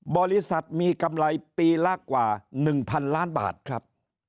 บริษัทมีกำไรปีละกว่า๑๐๐๐ล้านบาทครับ